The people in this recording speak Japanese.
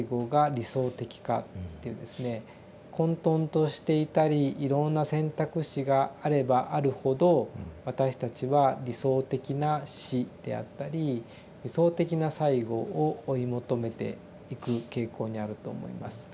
混とんとしていたりいろんな選択肢があればあるほど私たちは理想的な死であったり理想的な最期を追い求めていく傾向にあると思います。